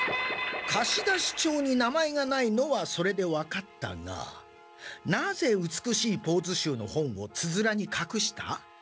貸出帳に名前がないのはそれで分かったがなぜ「美しいポーズ集」の本をつづらにかくした？